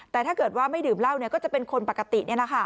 แต่ถ้าเกิดว่าไม่ดื่มเหล้าก็จะเป็นคนปกติ